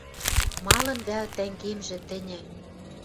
Малын вӓл, тӓнгемжӹ, тӹньӹ